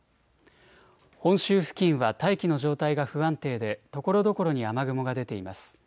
本州付近は大気の状態が不安定でところどころに雨雲が出ています。